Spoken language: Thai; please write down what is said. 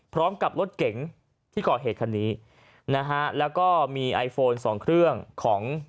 พร้อมกับรถเก๋งที่ก่อเหตุคันนี้นะฮะแล้วก็มีไอโฟนสองเครื่องของ